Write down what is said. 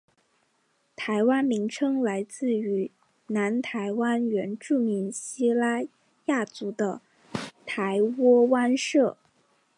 “台湾”名称来自于南台湾原住民西拉雅族的台窝湾社。